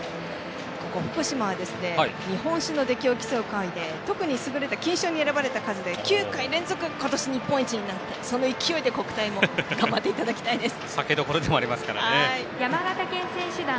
ここ福島は日本史のできを競う会で特に優れた金賞に選ばれた数で９回連続、今年日本一になってその勢いで国体も頑張っていただきたいです。